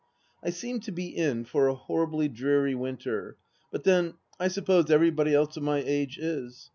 I seem to be in for a horribly dreary winter; but then, I suppose everybody else of my age is.